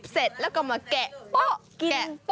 เสร็จแล้วก็มาแกะเป๊ะแกะ